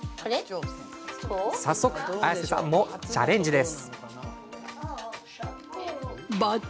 綾瀬さん、早速チャレンジです。